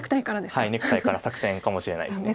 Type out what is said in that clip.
はいネクタイから作戦かもしれないです。